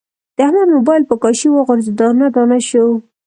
د احمد مبایل په کاشي و غورځید، دانه دانه شو.